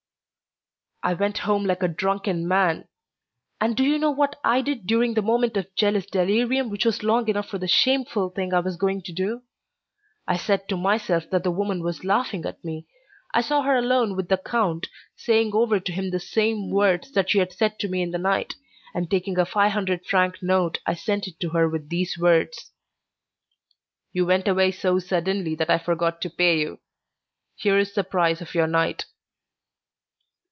I went home like a drunken man, and do you know what I did during the moment of jealous delirium which was long enough for the shameful thing I was going to do? I said to myself that the woman was laughing at me; I saw her alone with the count, saying over to him the same words that she had said to me in the night, and taking a five hundred franc note I sent it to her with these words: "You went away so suddenly that I forgot to pay you. Here is the price of your night."